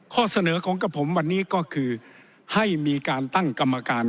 ข้อเสนอของกับผมวันนี้ก็คือให้มีการตั้งกรรมการ